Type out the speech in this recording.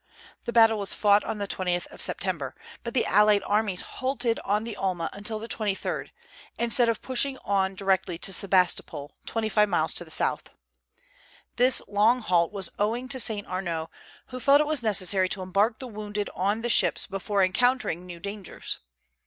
The battle was fought on the 20th of September; but the allied armies halted on the Alma until the 23d, instead of pushing on directly to Sebastopol, twenty five miles to the south. This long halt was owing to Saint Arnaud, who felt it was necessary to embark the wounded on the ships before encountering new dangers.